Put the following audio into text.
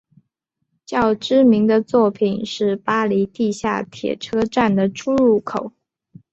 较知名的作品是巴黎地下铁车站的出入口。